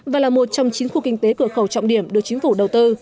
và là một trong chín khu kinh tế cửa khẩu trọng điểm được chính phủ đầu tư